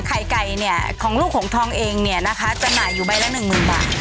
ไข่ไก่เนี่ยของลูกหงทองเองเนี่ยนะคะจำหน่ายอยู่ใบละหนึ่งหมื่นบาท